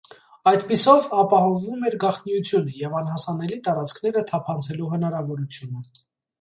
Այդպիսով, ապահովվում էր գաղտնիությունը և անհասանելի տարածքները թափանցելու հնարավորությունը։